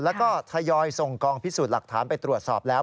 แล้วก็ทยอยส่งกองพิสูจน์หลักฐานไปตรวจสอบแล้ว